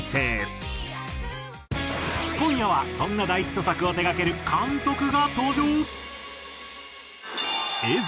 今夜はそんな大ヒット作を手がける監督が登場！